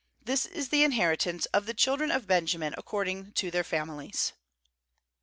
This is the inheritance of the children of Benjamin according to their families.